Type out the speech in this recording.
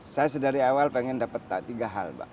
saya sedari awal pengen dapat tiga hal mbak